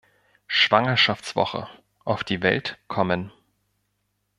Schwangerschaftswoche auf die Welt kommen.